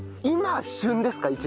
今旬ですか？